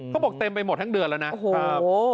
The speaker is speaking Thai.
เขาบอกเต็มไปหมดทั้งเดือนแล้วนะโอ้โฮ